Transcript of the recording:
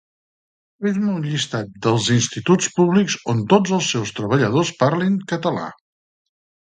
Fes-me un llistat dels Instituts Públics on tots els seus treballadors parlin català